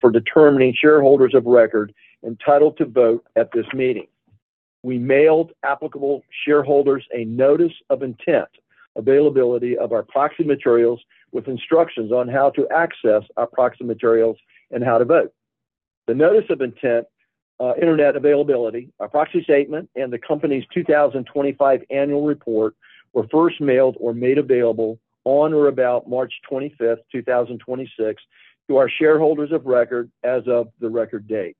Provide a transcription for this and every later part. For determining shareholders of record entitled to vote at this meeting. We mailed applicable shareholders a notice of intent, availability of our proxy materials with instructions on how to access our proxy materials and how to vote. The notice of intent, internet availability, our proxy statement, and the company's 2025 annual report were first mailed or made available on or about March 25th, 2026 to our shareholders of record as of the record date.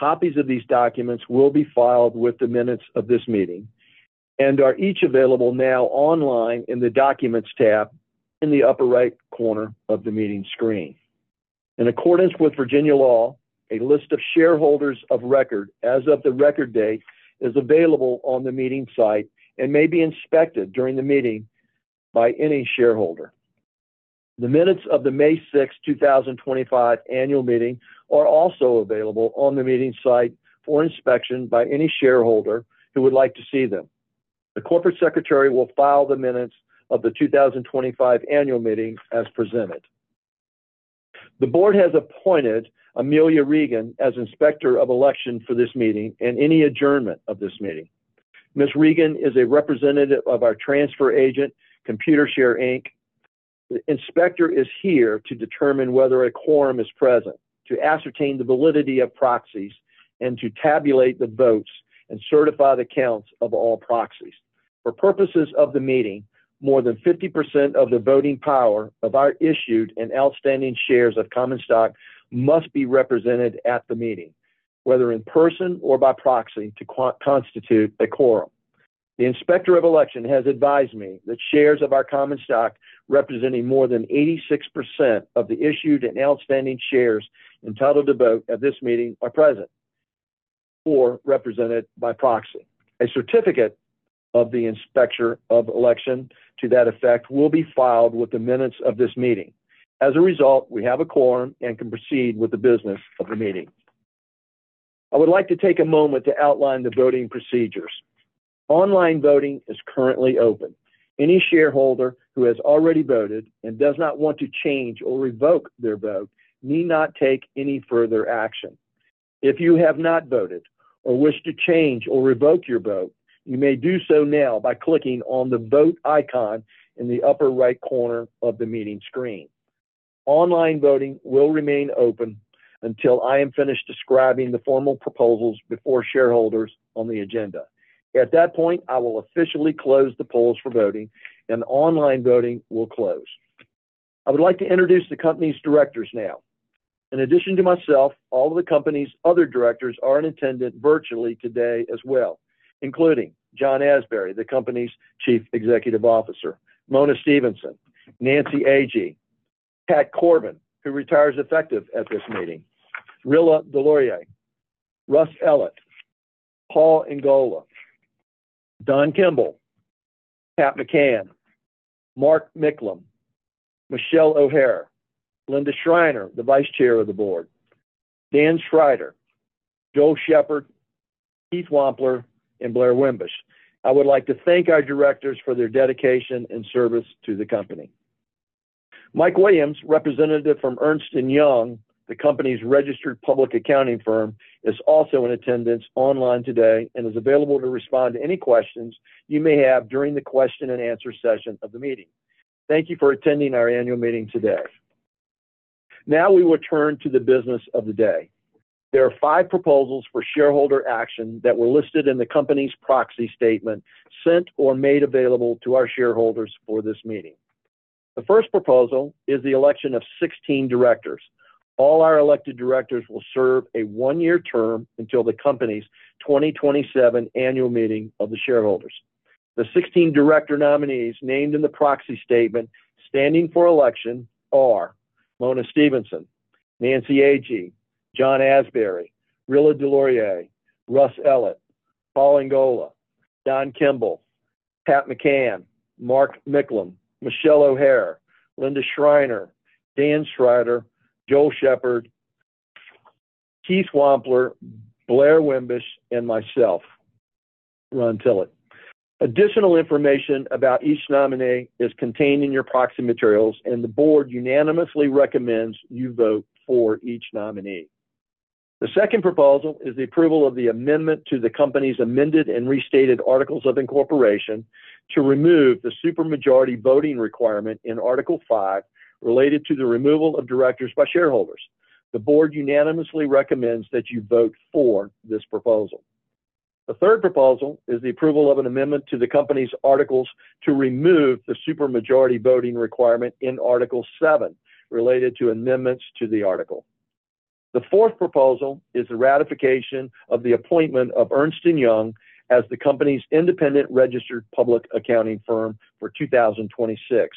Copies of these documents will be filed with the minutes of this meeting and are each available now online in the Documents tab in the upper right corner of the meeting screen. In accordance with Virginia law, a list of shareholders of record as of the record date is available on the meeting site and may be inspected during the meeting by any shareholder. The minutes of the May 6, 2025 annual meeting are also available on the meeting site for inspection by any shareholder who would like to see them. The corporate secretary will file the minutes of the 2025 annual meeting as presented. The board has appointed Amilja Regan as Inspector of Election for this meeting and any adjournment of this meeting. Ms. Regan is a representative of our transfer agent, Computershare, Inc. The inspector is here to determine whether a quorum is present, to ascertain the validity of proxies, and to tabulate the votes and certify the counts of all proxies. For purposes of the meeting, more than 50% of the voting power of our issued and outstanding shares of common stock must be represented at the meeting, whether in person or by proxy, to constitute a quorum. The Inspector of Election has advised me that shares of our common stock representing more than 86% of the issued and outstanding shares entitled to vote at this meeting are present or represented by proxy. A certificate of the Inspector of Election to that effect will be filed with the minutes of this meeting. We have a quorum and can proceed with the business of the meeting. I would like to take a moment to outline the voting procedures. Online voting is currently open. Any shareholder who has already voted and does not want to change or revoke their vote need not take any further action. If you have not voted or wish to change or revoke your vote, you may do so now by clicking on the Vote icon in the upper right corner of the meeting screen. Online voting will remain open until I am finished describing the formal proposals before shareholders on the agenda. At that point, I will officially close the polls for voting, and online voting will close. I would like to introduce the company's directors now. In addition to myself, all of the company's other directors are in attendance virtually today as well, including John Asbury, the company's Chief EExecutive Officer; Mona Stephenson; Nancy Agee; Pat Corbin, who retires effective at this meeting; Rilla Delorier; Russ Ellett; Paul Engola; Don Kimble; Pat McCann; Mark Micklem; Michelle O'Hara; Linda Schreiner, the Vice Chair of the Board; Dan Schrider; Joe Shepherd; Keith Wampler, and Blair Wimbush. I would like to thank our directors for their dedication and service to the company. Mike Williams, representative from Ernst & Young, the company's registered public accounting firm, is also in attendance online today and is available to respond to any questions you may have during the question and answer session of the meeting. Thank you for attending our annual meeting today. We will turn to the business of the day. There are five proposals for shareholder action that were listed in the company's proxy statement sent or made available to our shareholders for this meeting. The first proposal is the election of 16 directors. All our elected directors will serve a one-year term until the company's 2027 annual meeting of the shareholders. The 16 director nominees named in the proxy statement standing for election are Mona Stephenson, Nancy Agee, John Asbury, Rilla Delorier, Russ Ellett, Paul Engola, Don Kimble, Pat McCann, Mark Micklem, Michelle O'Hara, Linda Schreiner, Dan Schrider, Joe Shepherd, Keith Wampler, Blair Wimbush, and myself, Ron Tillett. Additional information about each nominee is contained in your proxy materials, and the board unanimously recommends you vote for each nominee. The second proposal is the approval of the amendment to the company's amended and restated articles of incorporation to remove the supermajority voting requirement in article five related to the removal of directors by shareholders. The board unanimously recommends that you vote for this proposal. The third proposal is the approval of an amendment to the company's articles to remove the supermajority voting requirement in article seven related to amendments to the article. The fourth proposal is the ratification of the appointment of Ernst & Young as the company's independent registered public accounting firm for 2026.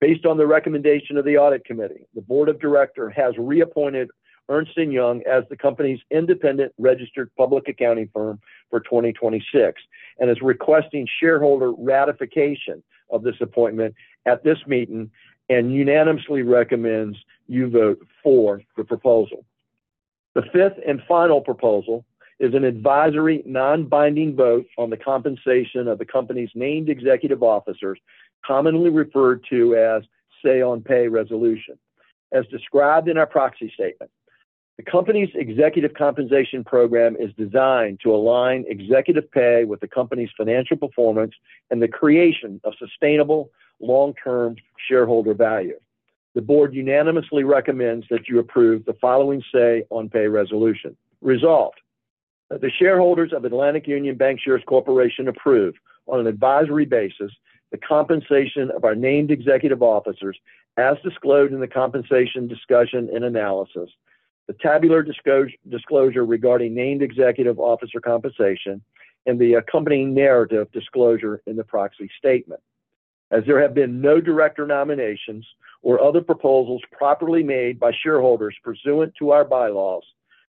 Based on the recommendation of the audit committee, the board of director has reappointed Ernst & Young as the company's independent registered public accounting firm for 2026 and is requesting shareholder ratification of this appointment at this meeting and unanimously recommends you vote for the proposal. The fifth and final proposal is an advisory non-binding vote on the compensation of the company's named executive officers, commonly referred to as say-on-pay resolution. As described in our proxy statement, the company's executive compensation program is designed to align executive pay with the company's financial performance and the creation of sustainable long-term shareholder value. The board unanimously recommends that you approve the following say-on-pay resolution. Resolved, that the shareholders of Atlantic Union Bankshares Corporation approve on an advisory basis the compensation of our named executive officers as disclosed in the compensation discussion and analysis, the tabular disclosure regarding named executive officer compensation, and the accompanying narrative disclosure in the proxy statement. As there have been no director nominations or other proposals properly made by shareholders pursuant to our bylaws,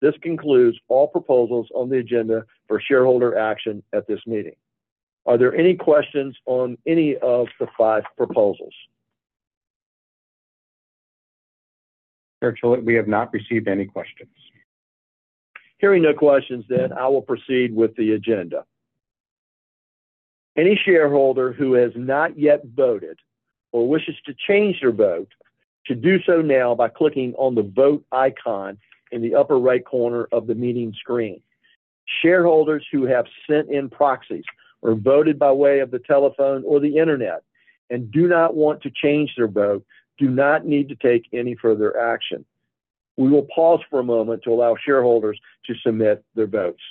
this concludes all proposals on the agenda for shareholder action at this meeting. Are there any questions on any of the five proposals? Chair Tillett, we have not received any questions. Hearing no questions then, I will proceed with the agenda. Any shareholder who has not yet voted or wishes to change their vote should do so now by clicking on the vote icon in the upper right corner of the meeting screen. Shareholders who have sent in proxies or voted by way of the telephone or the internet and do not want to change their vote do not need to take any further action. We will pause for a moment to allow shareholders to submit their votes.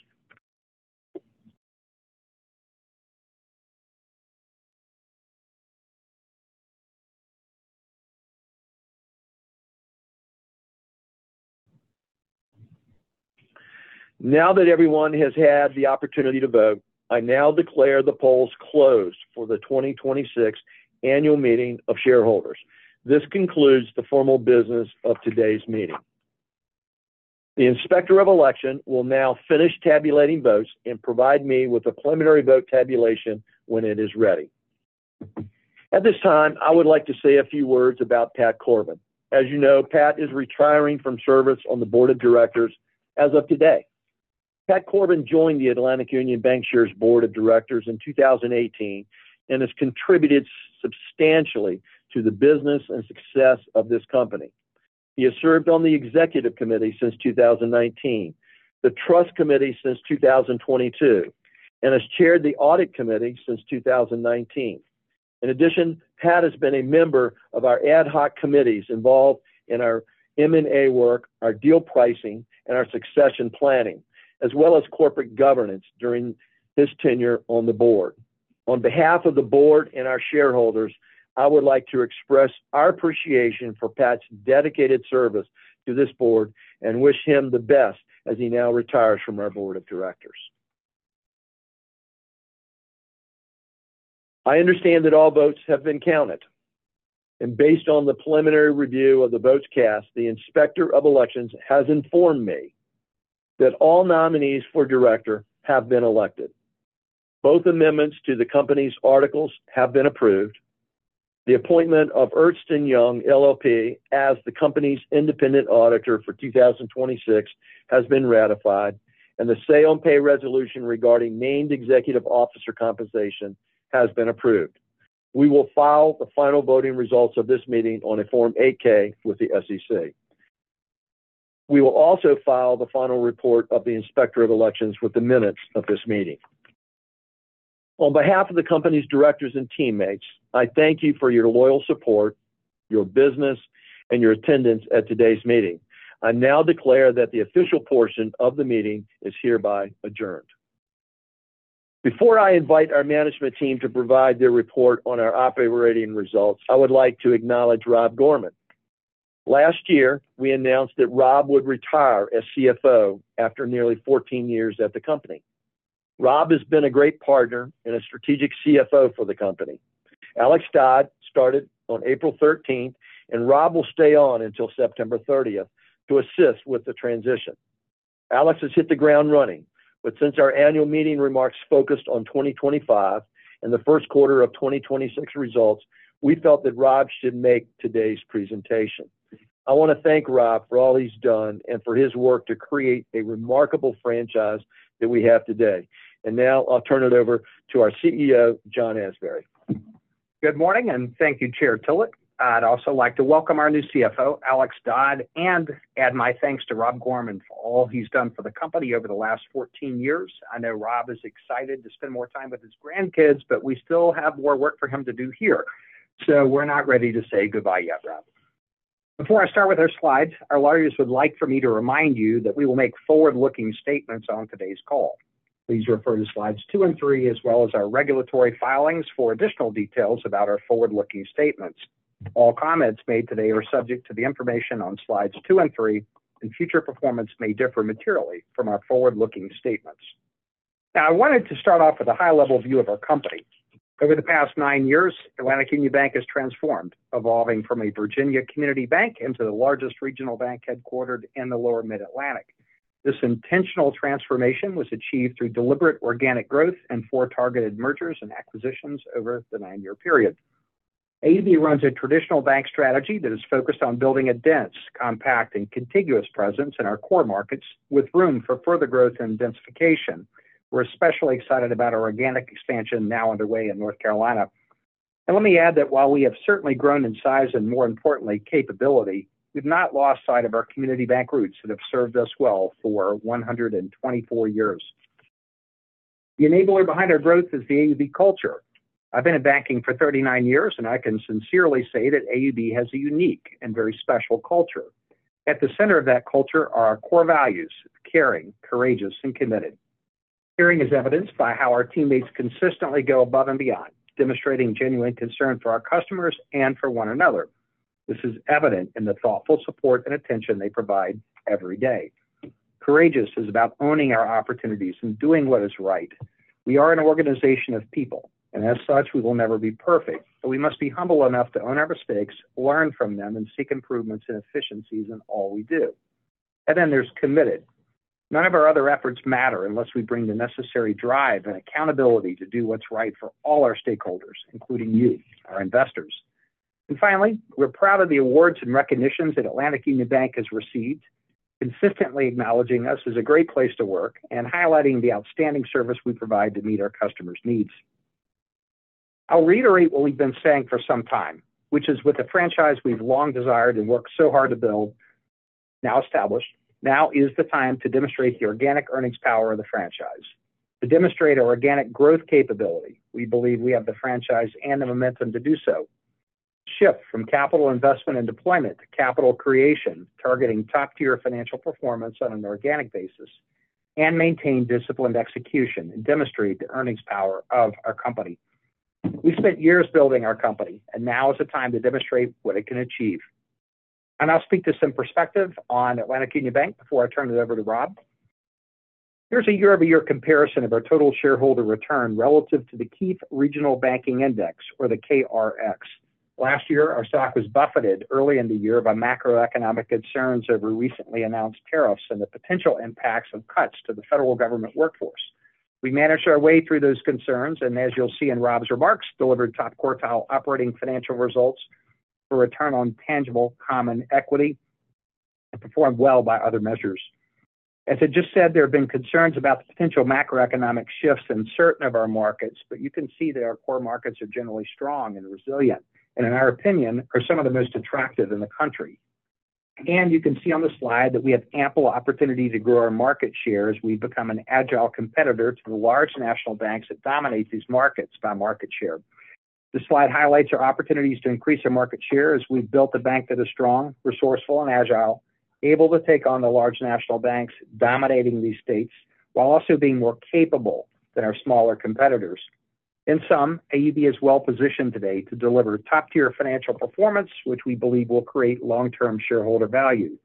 Now that everyone has had the opportunity to vote, I now declare the polls closed for the 2026 annual meeting of shareholders. This concludes the formal business of today's meeting. The Inspector of Election will now finish tabulating votes and provide me with a preliminary vote tabulation when it is ready. At this time, I would like to say a few words about Pat Corbin. As you know, Pat is retiring from service on the board of directors as of today. Pat Corbin joined the Atlantic Union Bankshares Board of Directors in 2018 and has contributed substantially to the business and success of this company. He has served on the executive committee since 2019, the trust committee since 2022, and has chaired the audit committee since 2019. In addition, Pat has been a member of our ad hoc committees involved in our M&A work, our deal pricing, and our succession planning, as well as corporate governance during his tenure on the board. On behalf of the board and our shareholders, I would like to express our appreciation for Pat's dedicated service to this board and wish him the best as he now retires from our board of directors. I understand that all votes have been counted, and based on the preliminary review of the votes cast, the Inspector of Election has informed me that all nominees for director have been elected. Both amendments to the company's articles have been approved. The appointment of Ernst & Young LLP as the company's independent auditor for 2026 has been ratified, and the say-on-pay resolution regarding named executive officer compensation has been approved. We will file the final voting results of this meeting on a Form 8-K with the SEC. We will also file the final report of the Inspector of Election with the minutes of this meeting. On behalf of the company's directors and teammates, I thank you for your loyal support, your business, and your attendance at today's meeting. I now declare that the official portion of the meeting is hereby adjourned. Before I invite our management team to provide their report on our operating results, I would like to acknowledge Rob Gorman. Last year, we announced that Rob would retire as CFO after nearly 14 years at the company. Rob has been a great partner and a strategic CFO for the company. Alex Dodd started on April 13th, and Rob will stay on until September 30th to assist with the transition. Alex has hit the ground running, but since our annual meeting remarks focused on 2025 and the first quarter of 2026 results, we felt that Rob should make today's presentation. I want to thank Rob for all he's done and for his work to create a remarkable franchise that we have today. Now I'll turn it over to our CEO, John Asbury. Good morning, thank you, Chair Tillett. I'd also like to welcome our new CFO, Alex Dodd, and add my thanks to Rob Gorman for all he's done for the company over the last 14 years. I know Rob is excited to spend more time with his grandkids, but we still have more work for him to do here. We're not ready to say goodbye yet, Rob. Before I start with our slides, our lawyers would like for me to remind you that we will make forward-looking statements on today's call. Please refer to slides two and three as well as our regulatory filings for additional details about our forward-looking statements. All comments made today are subject to the information on slides two and three, and future performance may differ materially from our forward-looking statements. Now, I wanted to start off with a high-level view of our company. Over the past nine years, Atlantic Union Bank has transformed, evolving from a Virginia community bank into the largest regional bank headquartered in the lower mid-Atlantic. This intentional transformation was achieved through deliberate organic growth and four targeted mergers and acquisitions over the nine-year period. AUB runs a traditional bank strategy that is focused on building a dense, compact, and contiguous presence in our core markets with room for further growth and densification. We're especially excited about our organic expansion now underway in North Carolina. Let me add that while we have certainly grown in size and, more importantly, capability, we've not lost sight of our community bank roots that have served us well for 124 years. The enabler behind our growth is the AUB culture. I've been in banking for 39 years, and I can sincerely say that AUB has a unique and very special culture. At the center of that culture are our core values: caring, courageous, and committed. Caring is evidenced by how our teammates consistently go above and beyond, demonstrating genuine concern for our customers and for one another. This is evident in the thoughtful support and attention they provide every day. Courageous is about owning our opportunities and doing what is right. We are an organization of people. As such, we will never be perfect. We must be humble enough to own our mistakes, learn from them, and seek improvements and efficiencies in all we do. Then there's committed. None of our other efforts matter unless we bring the necessary drive and accountability to do what's right for all our stakeholders, including you, our investors. Finally, we're proud of the awards and recognitions that Atlantic Union Bank has received, consistently acknowledging us as a great place to work and highlighting the outstanding service we provide to meet our customers' needs. I'll reiterate what we've been saying for some time, which is with the franchise we've long desired and worked so hard to build now established, now is the time to demonstrate the organic earnings power of the franchise. To demonstrate our organic growth capability, we believe we have the franchise and the momentum to do so. Shift from capital investment and deployment to capital creation, targeting top-tier financial performance on an organic basis, and maintain disciplined execution and demonstrate the earnings power of our company. We've spent years building our company, and now is the time to demonstrate what it can achieve. I'll speak to some perspective on Atlantic Union Bank before I turn it over to Rob. Here's a year-over-year comparison of our total shareholder return relative to the KBW Nasdaq Regional Banking Index, or the KRX. Last year, our stock was buffeted early in the year by macroeconomic concerns over recently announced tariffs and the potential impacts of cuts to the federal government workforce. We managed our way through those concerns and, as you'll see in Rob's remarks, delivered top-quartile operating financial results for return on tangible common equity and performed well by other measures. As I just said, there have been concerns about the potential macroeconomic shifts in certain of our markets, but you can see that our core markets are generally strong and resilient and, in our opinion, are some of the most attractive in the country. You can see on the slide that we have ample opportunity to grow our market share as we've become an agile competitor to the large national banks that dominate these markets by market share. The slide highlights our opportunities to increase our market share as we've built a bank that is strong, resourceful, and agile, able to take on the large national banks dominating these states while also being more capable than our smaller competitors. In sum, AUB is well-positioned today to deliver top-tier financial performance, which we believe will create long-term shareholder value.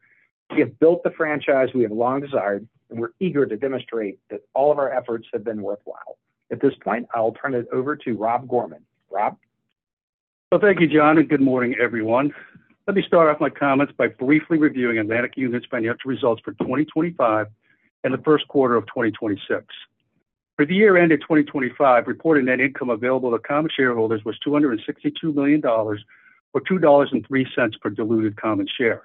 We have built the franchise we have long desired, and we're eager to demonstrate that all of our efforts have been worthwhile. At this point, I'll turn it over to Rob Gorman. Rob? Well, thank you, John, and good morning, everyone. Let me start off my comments by briefly reviewing Atlantic Union's financial results for 2025 and the first quarter of 2026. For the year ended 2025, reported net income available to common shareholders was $262 million or $2.03 per diluted common share.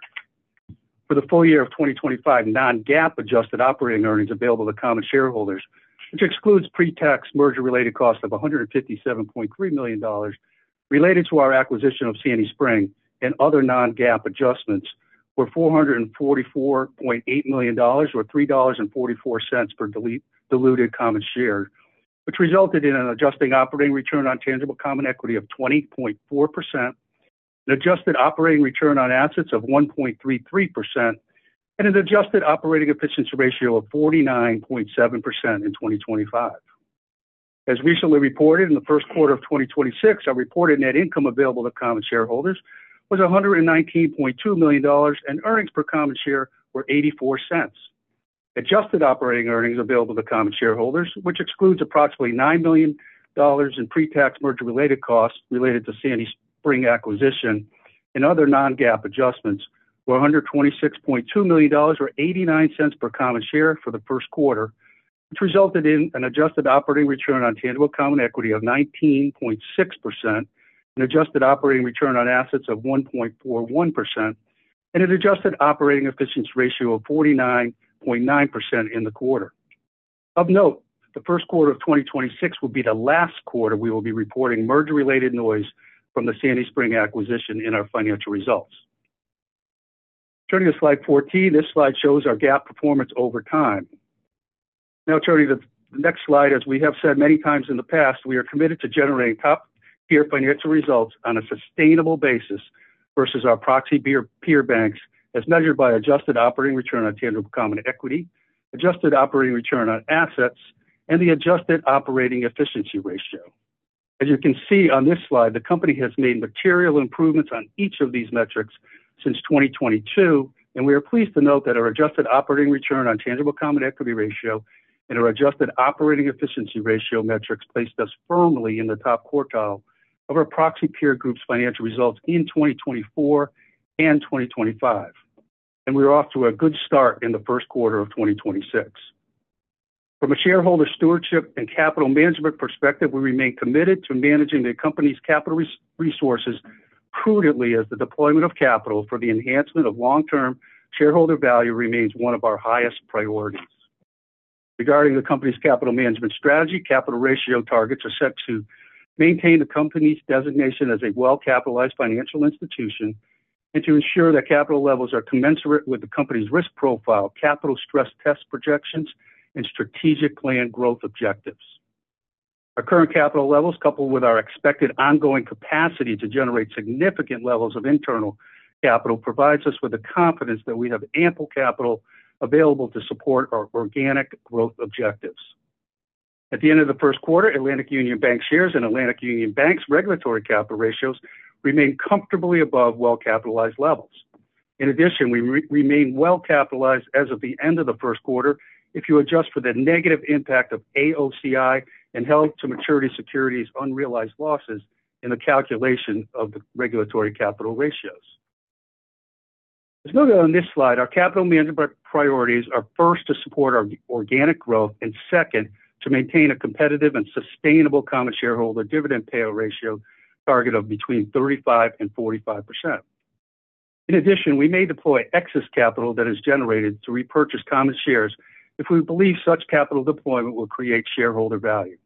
For the full year of 2025, non-GAAP adjusted operating earnings available to common shareholders, which excludes pre-tax merger-related costs of $157.3 million related to our acquisition of Sandy Spring and other non-GAAP adjustments were $444.8 million or $3.44 per diluted common share, which resulted in an adjusting operating return on tangible common equity of 20.4%, an adjusted operating return on assets of 1.33%, and an adjusted operating efficiency ratio of 49.7% in 2025. As recently reported, in the first quarter of 2026, our reported net income available to common shareholders was $119.2 million, and earnings per common share were $0.84. Adjusted operating earnings available to common shareholders, which excludes approximately $9 million in pre-tax merger-related costs related to Sandy Spring acquisition and other non-GAAP adjustments were $126.2 million or $0.89 per common share for the first quarter, which resulted in an adjusted operating return on tangible common equity of 19.6%, an adjusted operating return on assets of 1.41%, and an adjusted operating efficiency ratio of 49.9% in the quarter. Of note, the first quarter of 2026 will be the last quarter we will be reporting merger-related noise from the Sandy Spring acquisition in our financial results. Turning to slide 14, this slide shows our GAAP performance over time. Now turning to the next slide, as we have said many times in the past, we are committed to generating top-tier financial results on a sustainable basis versus our proxy peer banks as measured by adjusted operating return on tangible common equity, adjusted operating return on assets, and the adjusted operating efficiency ratio. As you can see on this slide, the company has made material improvements on each of these metrics since 2022, and we are pleased to note that our adjusted operating return on tangible common equity ratio and our adjusted operating efficiency ratio metrics placed us firmly in the top quartile of our proxy peer group's financial results in 2024 and 2025. We are off to a good start in the first quarter of 2026. From a shareholder stewardship and capital management perspective, we remain committed to managing the company's capital resources prudently as the deployment of capital for the enhancement of long-term shareholder value remains one of our highest priorities. Regarding the company's capital management strategy, capital ratio targets are set to maintain the company's designation as a well-capitalized financial institution and to ensure that capital levels are commensurate with the company's risk profile, capital stress test projections, and strategic plan growth objectives. Our current capital levels, coupled with our expected ongoing capacity to generate significant levels of internal capital, provides us with the confidence that we have ample capital available to support our organic growth objectives. At the end of the first quarter, Atlantic Union Bankshares and Atlantic Union Bank's regulatory capital ratios remain comfortably above well-capitalized levels. In addition, we remain well-capitalized as of the end of the first quarter if you adjust for the negative impact of AOCI and held-to-maturity securities' unrealized losses in the calculation of the regulatory capital ratios. As noted on this slide, our capital management priorities are first to support our organic growth and second to maintain a competitive and sustainable common shareholder dividend payout ratio target of between 35% and 45%. In addition, we may deploy excess capital that is generated to repurchase common shares if we believe such capital deployment will create shareholder value.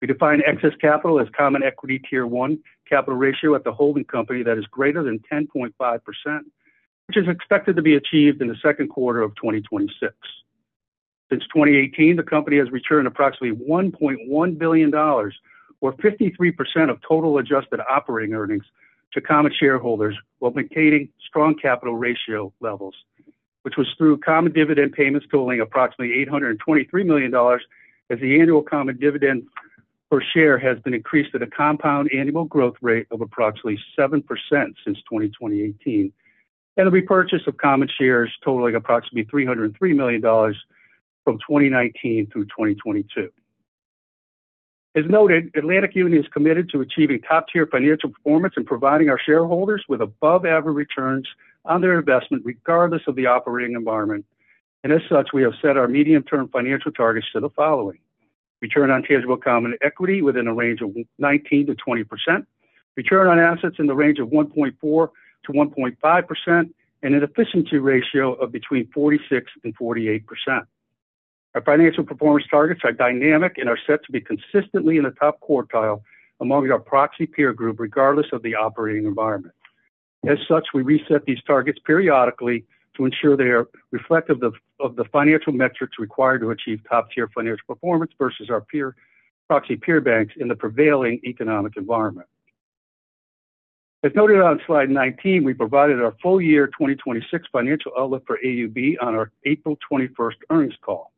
We define excess capital as Common Equity Tier 1 capital ratio at the holding company that is greater than 10.5%, which is expected to be achieved in the second quarter of 2026. Since 2018, the company has returned approximately $1.1 billion, or 53% of total adjusted operating earnings, to common shareholders while maintaining strong capital ratio levels, which was through common dividend payments totaling approximately $823 million as the annual common dividend per share has been increased at a compound annual growth rate of approximately 7% since 2018, and a repurchase of common shares totaling approximately $303 million from 2019 through 2022. As noted, Atlantic Union is committed to achieving top-tier financial performance and providing our shareholders with above-average returns on their investment regardless of the operating environment. As such, we have set our medium-term financial targets to the following: return on tangible common equity within a range of 19%-20%, return on assets in the range of 1.4%-1.5%, and an efficiency ratio of between 46% and 48%. Our financial performance targets are dynamic and are set to be consistently in the top quartile among our proxy peer group regardless of the operating environment. As such, we reset these targets periodically to ensure they are reflective of the financial metrics required to achieve top-tier financial performance versus our proxy peer banks in the prevailing economic environment. As noted on slide 19, we provided our full year 2026 financial outlook for AUB on our April 21st earnings call.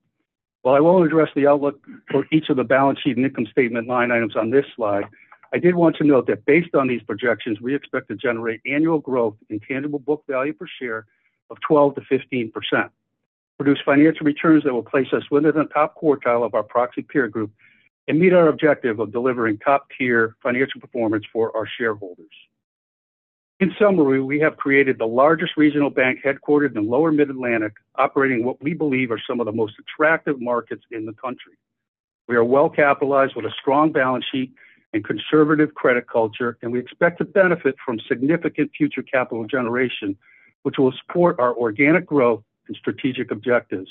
While I won't address the outlook for each of the balance sheet and income statement line items on this slide, I did want to note that based on these projections, we expect to generate annual growth in tangible book value per share of 12%-15%, produce financial returns that will place us within the top quartile of our proxy peer group, and meet our objective of delivering top-tier financial performance for our shareholders. In summary, we have created the largest regional bank headquartered in the lower mid-Atlantic, operating what we believe are some of the most attractive markets in the country. We are well-capitalized with a strong balance sheet and conservative credit culture, and we expect to benefit from significant future capital generation, which will support our organic growth and strategic objectives,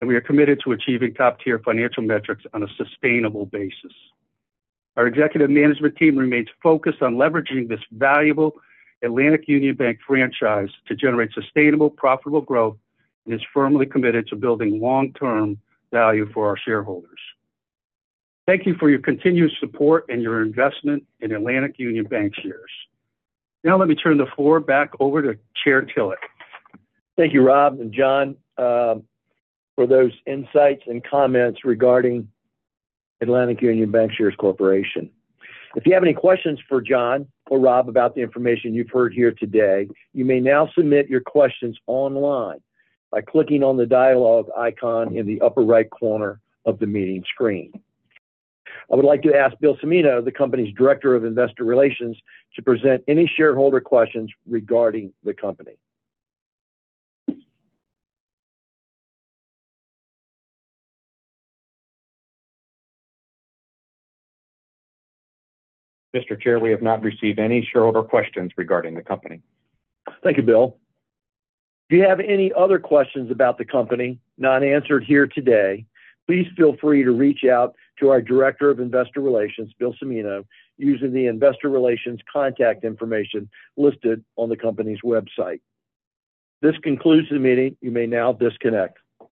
and we are committed to achieving top-tier financial metrics on a sustainable basis. Our executive management team remains focused on leveraging this valuable Atlantic Union Bank franchise to generate sustainable, profitable growth and is firmly committed to building long-term value for our shareholders. Thank you for your continued support and your investment in Atlantic Union Bankshares. Now let me turn the floor back over to Chair Tillett. Thank you, Rob and John, for those insights and comments regarding Atlantic Union Bankshares Corporation. If you have any questions for John or Rob about the information you've heard here today, you may now submit your questions online by clicking on the dialogue icon in the upper right corner of the meeting screen. I would like to ask Bill Cimino, the company's Director of Investor Relations, to present any shareholder questions regarding the company. Mr. Chair, we have not received any shareholder questions regarding the company. Thank you, Bill. If you have any other questions about the company not answered here today, please feel free to reach out to our Director of Investor Relations, Bill Cimino, using the investor relations contact information listed on the company's website. This concludes the meeting. You may now disconnect.